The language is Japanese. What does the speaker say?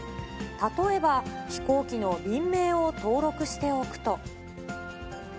例えば、飛行機の便名を登録しておくと。